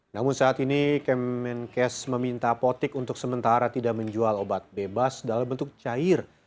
namun saat ini kemenkes meminta potik untuk sementara tidak menjual obat bebas dalam bentuk cair